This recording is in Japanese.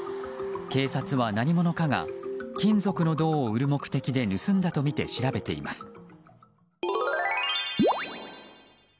警察は何者かが金属の銅を売る目的で盗んだとみて調べています。